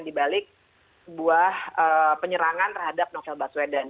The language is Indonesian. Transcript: dibalik buah penyerangan terhadap novel baswedan